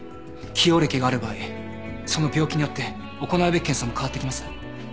既往歴がある場合その病気によって行うべき検査も変わってきます。